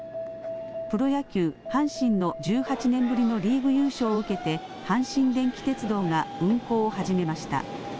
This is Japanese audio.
プロ野球、阪神の１８年ぶりのリーグ優勝を受けて阪神電気鉄道が運行を始めました。